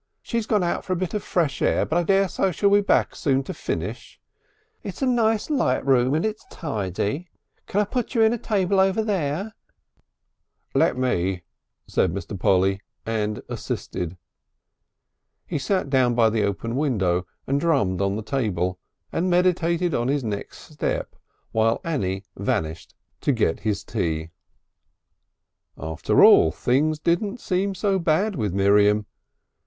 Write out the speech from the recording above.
"She's gone out for a bit of air, but I daresay she'll be back soon to finish. It's a nice light room when it's tidy. Can I put you a table over there?" "Let me," said Mr. Polly, and assisted. He sat down by the open window and drummed on the table and meditated on his next step while Annie vanished to get his tea. After all, things didn't seem so bad with Miriam.